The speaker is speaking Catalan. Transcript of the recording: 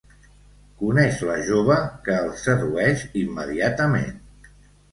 Coneix la jove, que el sedueix immediatament.